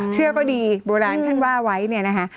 เชื่อก็ดีโบราณท่านว่าไว้เนี่ยนะคะ